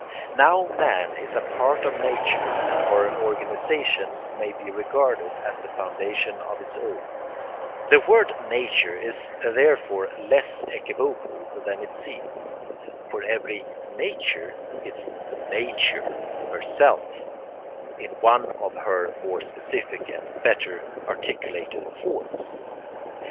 Now man is a part of nature and her organisation may be regarded as the foundation of his own: the word nature is therefore less equivocal than it seems, for every nature is Nature herself in one of her more specific and better articulated forms.